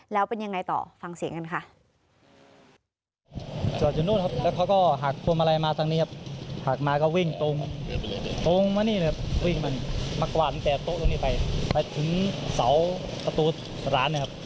แล้วเป็นยังไงต่อฟังเสียงกันค่ะ